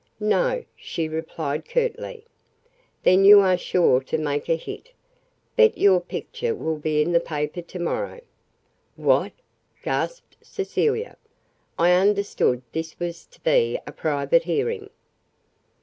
"No," she replied curtly. "Then you are sure to make a hit. Bet your picture will be in the paper to morrow." "What!" gasped Cecilia. "I understood this was to be a private hearing."